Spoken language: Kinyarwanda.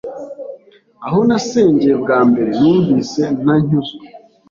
Aho nasengeye bwa mbere numvise ntanyuzwe,